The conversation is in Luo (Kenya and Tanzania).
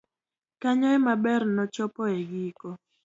kanyo ema ber nochopo e giko